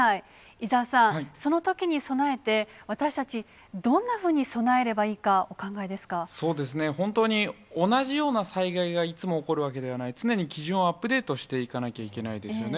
伊沢さん、そのときに備えて、私たちどんなふうに備えればいい本当に同じような災害がいつも起こるわけではない、常に基準をアップデートしていかなきゃいけないですよね。